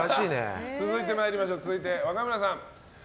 続いて、若村さん